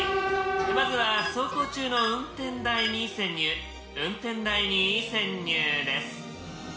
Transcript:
まずは走行中の運転台に潜入運転台に潜入です。